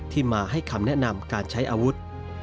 มาให้คำแนะนำการใช้อาวุธ